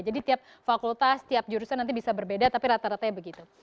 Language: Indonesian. jadi tiap fakultas tiap jurusan nanti bisa berbeda tapi rata ratanya begitu